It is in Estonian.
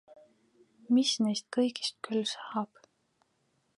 Mis neist kõigist küll saab?